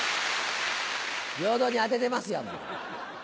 平等に当ててますよ。